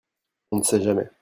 on ne sait jamais.